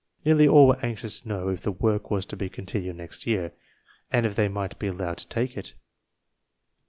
Nearly all were anxious to know if the work was to be continued next year, and if they might be allowed to take it."